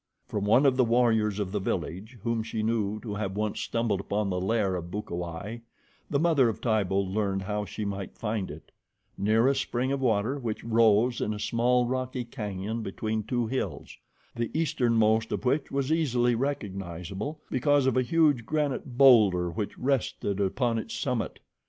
From one of the warriors of the village, whom she knew to have once stumbled upon the lair of Bukawai, the mother of Tibo learned how she might find it near a spring of water which rose in a small rocky canyon between two hills, the easternmost of which was easily recognizable because of a huge granite boulder which rested upon its summit.